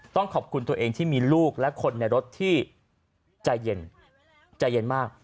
ต้องขอบคุณตัวเองที่มีลูกและคนในรถที่ใจเย็นใจเย็นมาก